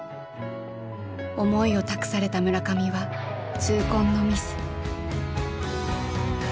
思いを託された村上は痛恨のミス。